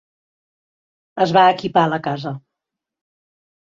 Es va equipar la casa.